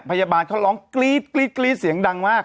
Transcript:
พยาบาลเขาร้องกรี๊ดกรี๊ดเสียงดังมาก